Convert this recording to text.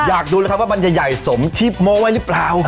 อยากดูเลยครับว่ามันจะใหญ่สมชีพโมไว้หรือเปล่า